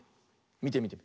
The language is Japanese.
みてみて。